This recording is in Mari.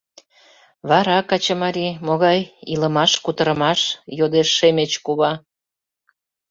— Вара, качымарий, могай илымаш-кутырымаш? — йодеш Шемеч кува.